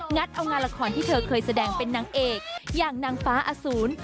เอางานละครที่เธอเคยแสดงเป็นนางเอกอย่างนางฟ้าอสูร